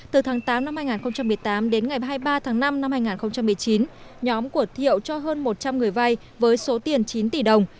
từ tháng tám năm hai nghìn một mươi tám đến ngày hai mươi ba tháng năm năm hai nghìn một mươi chín nhóm của thiệu cho hơn một trăm linh người vai với số tiền chín tỷ đồng